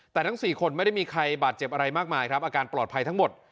แต่ทั้ง๔คนไม่ได้มีใครบาดเจ็บอะไรมากมายครับอาการปลอดภัยทั้งหมด